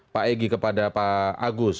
pak egy kepada pak agus